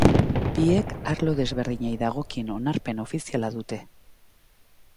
Biek arlo desberdinei dagokien onarpen ofiziala dute.